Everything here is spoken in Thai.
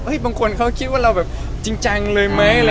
เฮ้ยบางคนเขาคิดว่าเราแบบจริงจังเลยมั้ย